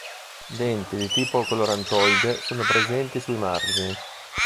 Denti di tipo chlorantoide sono presenti sui margini.